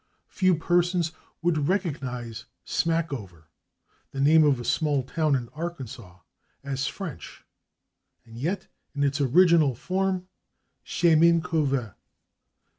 Few persons would recognize /Smackover/, the name of a small town in Arkansas, as French, and yet in its original form it was /Chemin Couvert